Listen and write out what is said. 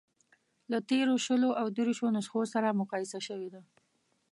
له تېرو شلو او دېرشو نسخو سره مقایسه شوې ده.